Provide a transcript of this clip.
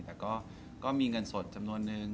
แต่ก็มีเงินสดจำนวนนึง